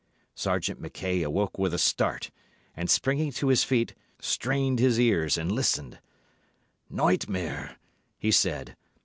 Sergeant Mackay awoke with a start, and, springing to his feet, strained his ears and listened. "Nightmare!" he said.